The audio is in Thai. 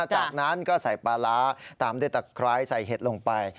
จากนั้นก็ใส่ปลาร้าตามเด็ดคล้ายใส่เห็ดลงไป